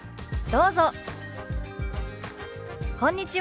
どうぞ。